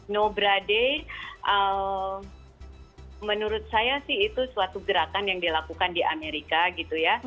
no brade menurut saya sih itu suatu gerakan yang dilakukan di amerika gitu ya